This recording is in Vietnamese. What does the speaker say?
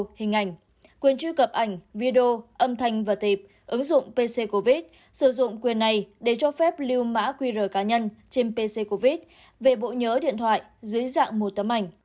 phim ảnh quyền truy cập ảnh video âm thanh và tiệp ứng dụng pc covid sử dụng quyền này để cho phép lưu mã qr cá nhân trên pc covid về bộ nhớ điện thoại dưới dạng một tấm ảnh